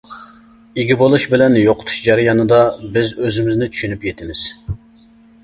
ئىگە بولۇش بىلەن يوقىتىش جەريانىدا بىز ئۆزىمىزنى چۈشىنىپ يېتىمىز.